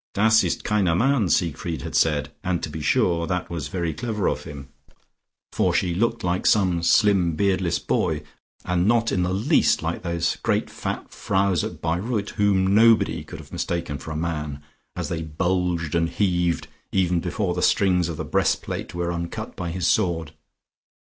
"Das ist keine mann," Siegfried had said, and, to be sure, that was very clever of him, for she looked like some slim beardless boy, and not in the least like those great fat Fraus at Baireuth, whom nobody could have mistaken for a man as they bulged and heaved even before the strings of the breastplate were uncut by his sword.